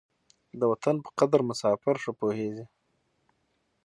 د وطن په قدر مساپر ښه پوهېږي.